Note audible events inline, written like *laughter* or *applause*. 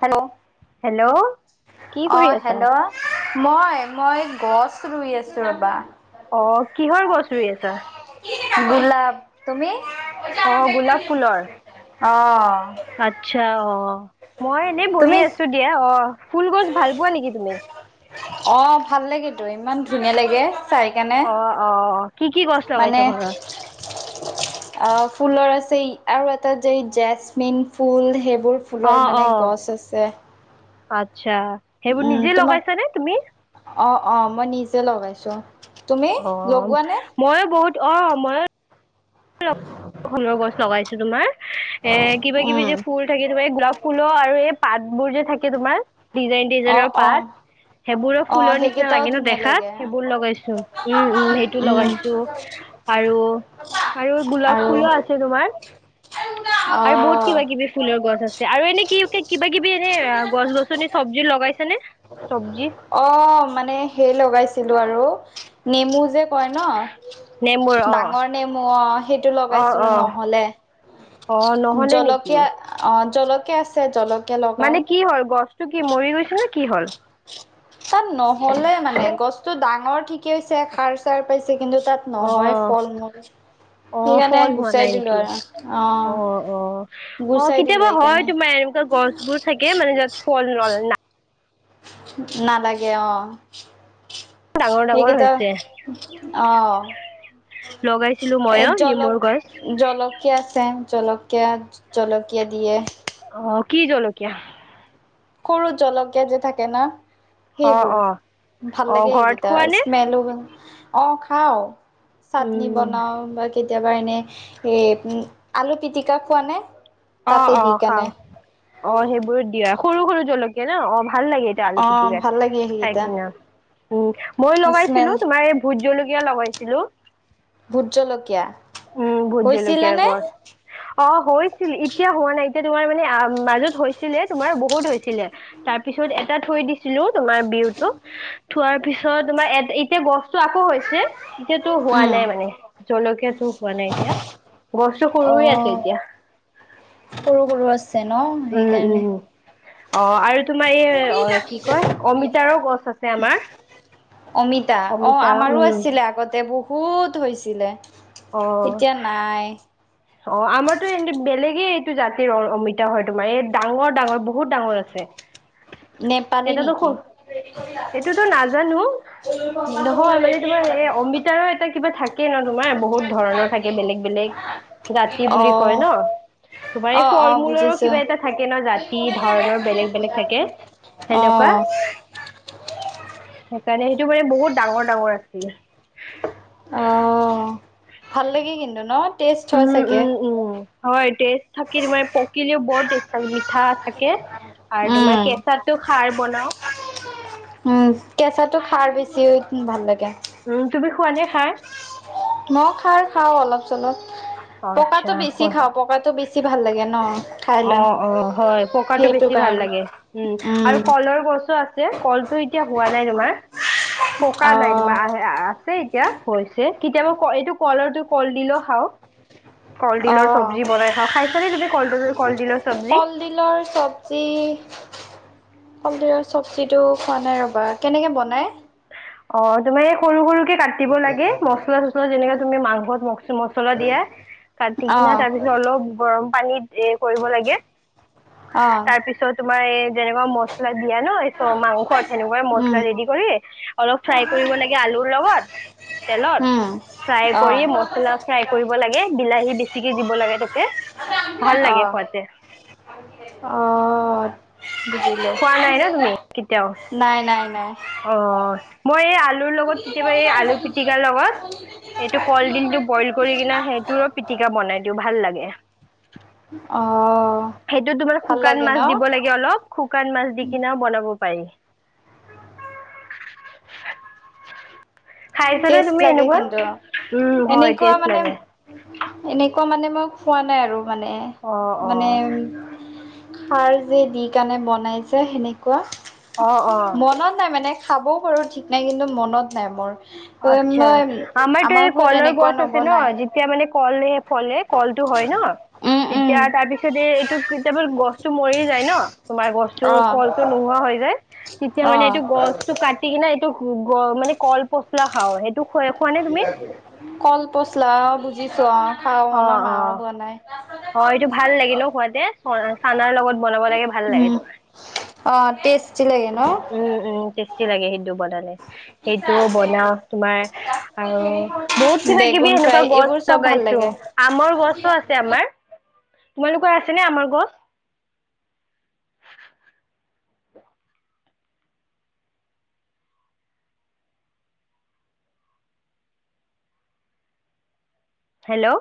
Hello? Hello কি অ কৰি আছা? হেল্ল'? মই মই গছ ৰুই আছোঁ ৰ'বা। অ কিহৰ গছ ৰুই আছা? গোলাপ তুমি? অ গোলাপ ফুলৰ। অঁ। আচ্ছা অ, মই এনেই বহি তুমি আছো দিয়া, অ ফুল গছ ভাল পোৱা নেকি তুমি? অ ভাল লাগেতো, ইমান ধুনীয়া লাগে। চাইকাৰণে অ অ কি কি গছ লগাইছ মানে ঘৰত? অ ফুলৰ আছে আৰু এটা যে জেচমিন ফুল সেইবোৰ ফুলৰ অ মানে অ, গছ আছে আচ্ছা। সেইবোৰ উম নিজে তোমাৰ, লগাইছা নে তুমি? অ অ মই নিজে লগাইছো। তুমি অ, লগোৱা নে ময়ো বহুত অ ময়ো *inaudible* ফুলৰ গছ লগাইছো তোমাৰ, এ কিবা কিবি উম যে ফুল থাকে তোমাৰ এই গোলাপ ফুলৰ আৰু এই পাতবোৰ যে থাকে তোমাৰ ডিজাইন অ ডিজাইনৰ অ পাত সেইবোৰো অ ফুলৰ নিচিনা সেইকেইটাও লাগে ন ধুনীয়া লাগে দেখাত, সেইবোৰ লগাইছো উম উম সেইটো উম লগাইছো। আৰু, আৰু গোলাপ আৰু ফুলো আছে তোমাৰ আৰু বহুত অ', কিবা - কিবি ফুলৰ গছ আছে আৰু এনে কি কিবা কিবি এনে গছ- গছনি চব্জি লগাইছে নে? চব্জি। অ' মানে সেই লগাইছিলোঁ আৰু নেমু যে কয় নেমুৰ ন' অ ডাঙৰ নেমু অ' সেইটো অ লগাইছিলোঁ অ নহ'লে। অ' নহ'লে নেকি? তিয়া অ' জলকীয়া আছে জলক মানে কি হ'ল গছটো কি মৰি গৈছে নে কি হ'ল? তাত নহ'লে মানে, গছটো ডাঙৰ ঠিকেইছে, সাৰ চাৰ পাইছে কিন্তু তাত অ নহয় ফল মূল। অ' সেইকাৰণে ফল হোৱা গুচাই নাই দিলো নেকি? আৰু অ', অ', অ' গুচাই দিলো কেতিয়াবা সেইকাৰণে হয় তোমাৰ এনেকুৱা গছবোৰ থাকে মানে যাত ফল নল না নালাগে অ'। ডাঙৰ ডাঙৰ সেইকেইটা হৈছে অ'। লগাইছিলো এ, মইও জলক নেমুৰ গছ জলক কীয়া আছে, জলকীয়া, জলকীয়া দিয়ে। অ' কি জলকীয়া? সৰু জলকীয়া যে থাকে না। অ সেইবোৰ, অ ভাল অ লাগে ঘৰত সেইকেইটা, খোৱা নে স্মেলো অ' খাওঁ। চাটনি উম বনাওঁ বা কেতিয়াবা এনে এই উ, আলু পিটিকা খোৱানে? অ', অ' খাওঁ। অ' সেইবোৰ দিয়া সৰু সৰু জলকীয়া ন' অ' ভাল লাগে। আলু অ ভাল পিটিকাত লাগে চাই সেইকেইটা কিনা। উম, মই স্মেল লগাইছিলোঁ তোমাৰ এই ভোট জলকীয়া লগাইছিলোঁ। ভুট জলকীয়া। উম, ভুট হৈছিলে জলকীয়াৰ নে গছ। অ' হৈছিল, এতিয়া হোৱা নাই, এতিয়া তোমাৰ মানে মাজত হৈছিলে তোমাৰ বহুত হৈছিলে। তাৰপিছত এটা থৈ দিছিলোঁ তোমাৰ বিহুটো। থোৱাৰ পিছত তোমাৰ এত-এতিয়া গছতটো আকৌ হৈছে। এতিয়াতো হোৱা উম নাই মানে, জলকীয়াাতটো হোৱা নাই এতিয়া। গছটো সৰু অ হৈ আছে এতিয়া। সৰু সৰু আছে ন' উম উম সেইকাৰণে। অ' আৰু তোমাৰ এই অ' কি কয় অমিতাৰো গছ আছে আমাৰ। অমিতা অ' অমিতা আমাৰো উম আছিলে আগতে বহুত হৈছিলে। অ এতিয়া নাই। অ' আমাৰতো এইটো বেলেগে এইটো জাতিৰ অমিতা হয়, তোমাৰ এই ডাঙৰ ডাঙৰ বহুত ডাঙৰ আছে। *inaudible* নেপালী এটাতো নেকি? সৰু এইটোতো নাজানো। নহয় মানে তোমাৰ এই অমিতাৰো এটা কিবা থাকে ন' তোমাৰ বহুত ধৰণৰ থা বেলেগ বেলেগ। জাতি অ বুলি কয় ন' তোমাৰ এই অ অ ফল মূলৰো বুজিছো কিবা এটা থাকে ন' জাতি। ধৰণৰ বেলেগ বেলেগ থাকে, অ সেনেকুৱা সেইকাৰণে সেইটো মানে বহুত ডাঙৰ ডাঙৰ আছিল। অ' ভাল লাগি কিন্তু ন' টেষ্ট হয় উম চাগে। উম উম হয় টেষ্ট থাকিল তোমাৰ মে পকিলেও বৰ টেষ্ট থাকে মিঠা থাকে। আৰু তোমাৰ উম কেঁচাটো সাৰ বনাও। উম, কেঁচাটো সাৰ বেছি ভাল লাগে। উম, তুমি খোৱনে সাৰ? মই খাৰ খাওঁ অলপ চলপ, আচ্ছা পকাতটো বেছি খোৱা খাওঁ পকাটো বেছি বেছি ভাল লাগে ন। খাই অ', লৈ অ', হয় পকাতটো সেইটো বেছি ভাল কাৰণে লাগে, উম আৰু কলৰ গছো আ ছে কলটো এতিয়া হোৱা নাই তোমাৰ, পকা অ নাই তোমাৰ আহ আছে এতিয়া হৈছে কেতিয়াবা এইটো কলৰ কল দিলেও খাওঁ। কলডিলৰ চব্জি অ বনাই খাওঁ, খাইছা নে তুমি কলডিল কলডিলৰ চব্জি কলডিলৰ চব্জি কলদিলৰ চব্জিটো খোৱা নাই ৰ'বা, কেনেকে বনায়? অ', তোমাৰ এই সৰু সৰুককে কাট দিব লাগে, মছলা চচলা যেনেকে তুমি মাংসত মছলা দিয়া। কাটি কিনা অ', তাৰপিছত অলপ গৰম পানীত এ কৰিব লাগে, অ', তাৰপিছ চ তোমাৰ এই যেনেকুৱা মছলা দিয়া ন চ মাংস তেনেকুৱা মছলা উম, ৰেডি কৰি অলপ ফ্ৰাই কৰিব লাগে আলুৰ লগত, তেলত, উম, ফ্ৰাই কৰি অ'। মছলা পলা ফ্ৰাই কৰিব লাগে, বিলাহী বেছিকে দিব লাগে ত অ', আহ খোৱা নাই ন তুমি কেতিয়াও নাই, নাই, নাই। অ', মই এই আলুৰ লগত কেতিয়াবা এই আলু পিটিকাৰ লগত টো কলডিলটো বইল কৰি কিনা সেইটোৰ পিটিকা বনাই দিওঁ ভাল লাগে। অ'। সেইটো তোমাৰ ভাল শুকান লাগে ন মাছ দিব লাগে অলপ। শুকান মাছ দি কিনেও বনাব পাৰি। খাইছানে টেষ্ট তুমি লাগে এনেকুৱা? কিন্তু, উম, হয় এনেকুৱা টেষ্ট মানে লাগে। এনেকুৱা মানে মই খোৱা নাই আৰু মানে, অ', মানে অ', খাৰ দি দি কেনে বনাইজে সেনেকুৱা, অ', অ'। মনত নাই মানে খাবও পাৰোঁ ঠিক নাই কিন্তু মনত নাই মোৰ। আচ্ছা, মই আমাৰটো আমাৰ ঘৰত কলৰ এনেকুৱা গছ আছে ন নবনাই যেতিয়া মানে কলে ফলে কলটো হয় ন' উম উম তেতিয়া তাৰপিছতে এইটো কেতিয়াবা গছটো মৰি যায় ন। তোমাৰ গছটো অ কলটো নোহোৱা হৈ যায়, তেতিয়া অ মানে এইটো গছটো কাটি কিনে *unintelligible* মানে কল পচলা খাওঁ সেই *unintelligible* কল পচলা, বুজিছো অ', খাওঁ, আমাৰ অ', মাও অ', বনাই। অ', এইটো ভাল লাগে ন খুৱাতে চ চানাৰ লগত বনাব লাগে, ভাল উম লাগে। অ', টেষ্টি লাগে ন? উম উম টেষ্টি লাগে সেইটো বনালে, সেইটো বনাও তোমাৰ আৰু বহুত কিবা বেগুন কিবি ফ্ৰাই এনেকুৱা এইবোৰ গছ চব ভাল লগাইছো। লাগে আমৰ গছো আছে আমাৰ, তোমালোকৰ আছেনে আমৰ গছ? হেল্ল'।